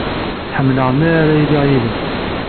Ḥemmleɣ mi ara iliɣ yid-m.